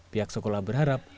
pihak sekolah berharap